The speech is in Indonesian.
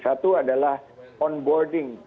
satu adalah onboarding